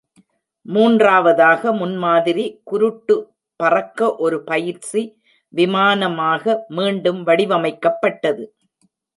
மூன்றாவதாக முன்மாதிரி குருட்டு பறக்க ஒரு பயிற்சி விமானமாக மீண்டும் வடிவமைக்கப்பட்டது.